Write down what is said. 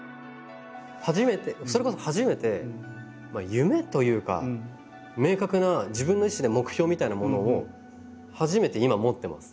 初めてそれこそ初めて夢というか明確な自分の意志で目標みたいなものを初めて今持ってます。